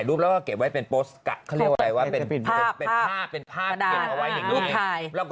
แล้วพี่เมย์เห็นเมื่อแปดนะครับ